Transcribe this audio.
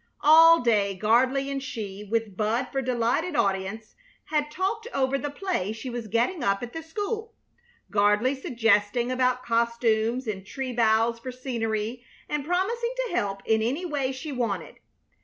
All day Gardley and she, with Bud for delighted audience, had talked over the play she was getting up at the school, Gardley suggesting about costumes and tree boughs for scenery, and promising to help in any way she wanted.